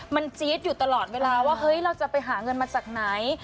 มันจี๊ดอยู่ตลอดเวลาว่าเฮ้ยเราจะไปหาเงินมาจากไหน